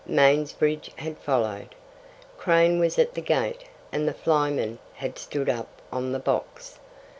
Mansbridge had followed. Crane was at the gate, and the flyman had stood up on the box.